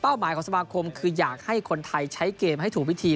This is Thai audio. หมายของสมาคมคืออยากให้คนไทยใช้เกมให้ถูกวิธี